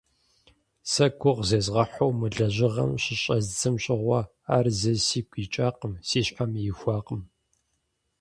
Сэ гугъу зезгъэхьу мы лэжьыгъэм щыщӏэздзэм щыгъуэ, ар зэи сигу икӏакъым, си щхьэми ихуакъым.